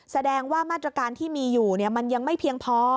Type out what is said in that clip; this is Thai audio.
แสดงว่ามาตรการที่มีอยู่มันยังไม่เพียงพอ